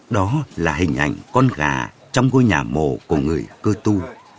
đó là hình ảnh con gà trong ngôi nhà mồ của người cơ tu